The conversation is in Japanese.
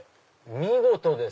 見事です。